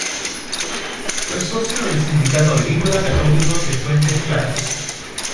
Fue socio del Sindicato Agrícola Católico de Fuentes Claras.